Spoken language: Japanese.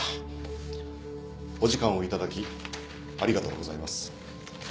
お時間を頂きありがとうございます。